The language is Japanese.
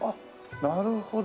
なるほど。